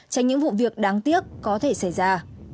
tránh những vụ việc đáng tiếc có thể xảy ra